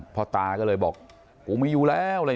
พอตาก็เลยบอกอู๊วไม่อยู่แล้ว